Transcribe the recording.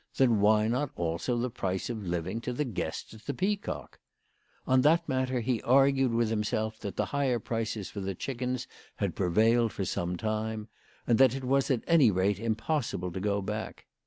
Then why not also the price of living to the guests at the Peacock ? On that matter he argued with himself that the higher prices for the chickens had prevailed for some time, and that it was at any rate impossible to go back.